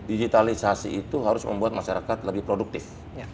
digitalisasi itu harus membuat masyarakat lebih produktif